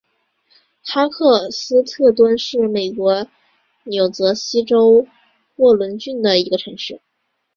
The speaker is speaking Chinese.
哈克特斯敦是美国纽泽西州沃伦郡的一个城市。